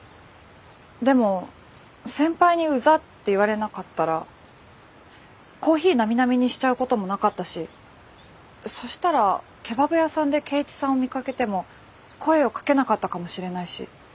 でも先輩に「うざっ」って言われなかったらコーヒーなみなみにしちゃうこともなかったしそしたらケバブ屋さんで圭一さんを見かけても声をかけなかったかもしれないし。